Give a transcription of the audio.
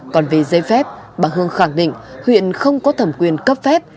còn về giấy phép bà hương khẳng định huyện không có thẩm quyền cấp phép